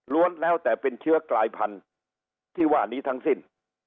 แล้วแต่เป็นเชื้อกลายพันธุ์ที่ว่านี้ทั้งสิ้น